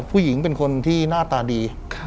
ผู้หญิงเป็นคนที่หน้าตาดี